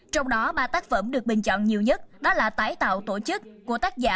trong đó ba tác phẩm được bình chọn nhiều nhất đó là tái tạo tổ chức của tác giả